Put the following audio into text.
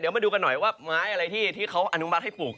มาดูกันหน่อยว่าไม้อะไรที่เขาอนุมัติให้ปลูก